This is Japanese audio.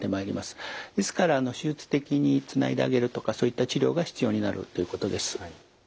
ですから手術的につないであげるとかそういった治療が必要になるということです。